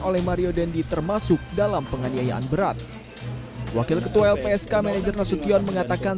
oleh mario dendi termasuk dalam penganiayaan berat wakil ketua lpsk manager nasution mengatakan